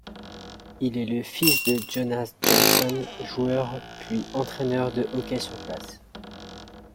Il est le fils de Jonas Johnsson joueur puis entraîneur de hockey sur glace.